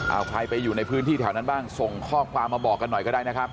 เอาใครไปอยู่ในพื้นที่แถวนั้นบ้างส่งข้อความมาบอกกันหน่อยก็ได้นะครับ